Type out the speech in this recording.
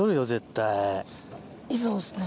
いそうっすね。